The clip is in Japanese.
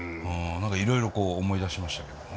何かいろいろこう思い出しましたけどもね。